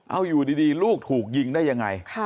เอาอยู่ดีลูกถูกยิงได้ยังไง